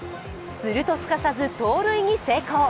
するとすかさず盗塁に成功。